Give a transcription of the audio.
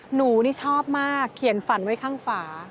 หนูนี่ชอบมากเขียนฝันไว้ข้างฝา